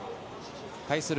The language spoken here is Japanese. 対する